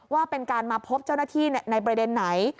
ว่าเป็นการมาพบเจ้าหน้าที่ในประเด็นไหน